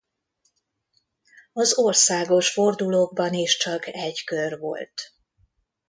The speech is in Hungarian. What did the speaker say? Az országos fordulókban is csak egy kör volt.